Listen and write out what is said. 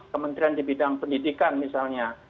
kementerian di bidang pendidikan misalnya